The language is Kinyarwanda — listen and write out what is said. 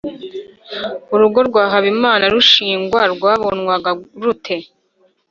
Urugo rwa Habimana rugishingwa rwabonwaga rute